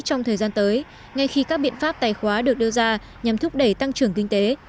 trong thời gian tới ngay khi các biện pháp tài khoá được đưa ra nhằm thúc đẩy tăng trưởng kinh tế